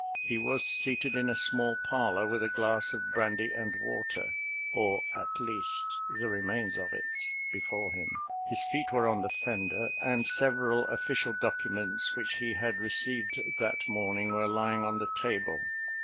He was seated in a small parlour, with a glass of brandy and water, or at least the remains of it, before him; his feet were on the fender, and several official documents which he had received that morning were lying on the table.